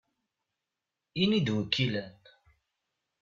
Ini-d wi k-ilan!